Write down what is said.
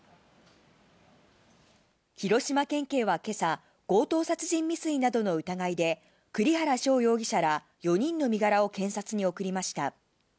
広島県警は今朝、強盗殺人未遂などの疑いで、栗原翔容疑者ら４人の身柄を検察に送りました。